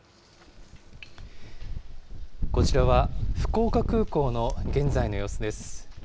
こちらは福岡空港の現在の様子です。